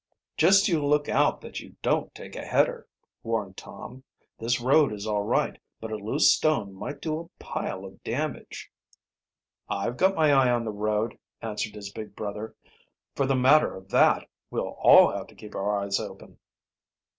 "Just you look out that you don't take a header!" warned Tom. "This road is all right, but a loose stone might do a pile of damage." "I've got my eye on the road," answered his big brother. "For the matter of that, we'll all have to keep our eyes open."